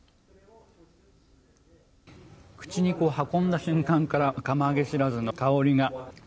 口に運んだ瞬間から釜揚げしらすの香りが。